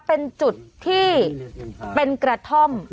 เป็นจุดที่เป็นกระท่อม